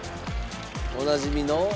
おなじみの。